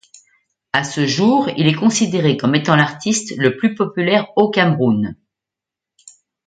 À ce jour, il est considéré comme étant l'artiste le plus populaire au Cameroun.